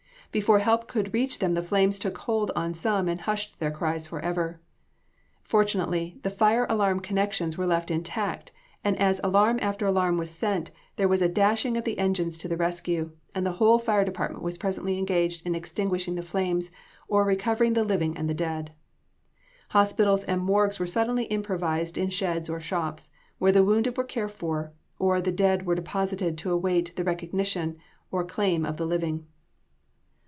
Before help could reach them the flames took hold on some and hushed their cries forever. Fortunately, the fire alarm connections were left intact, and as alarm after alarm was sent, there was a dashing of the engines to the rescue, and the whole fire department was presently engaged in extinguishing the flames, or recovering the living and the dead. Hospitals and morgues were suddenly improvised in sheds or shops, where the wounded were cared for, or the dead were deposited to await the recognition or claim of the living.